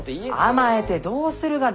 甘えてどうするがですか？